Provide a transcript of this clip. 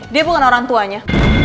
dia bukan orang tuanya